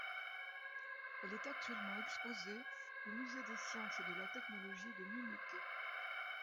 Elle est actuellement exposée au musée des Sciences et de la Technologie de Munich.